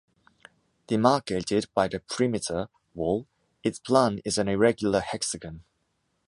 Demarcated by the perimeter wall, its plan is an irregular hexagon.